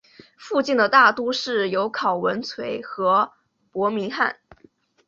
附近的大都市有考文垂和伯明翰。